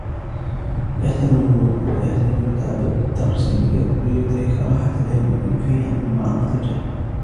فَيَحْتَمِلُ تَعَبَ الدَّرْسِ لِيُدْرِكَ رَاحَةَ الْعِلْمِ وَيَنْفِي عَنْهُ مَعَرَّةَ الْجَهْلِ